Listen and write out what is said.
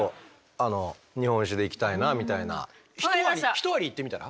ひとアリいってみたら？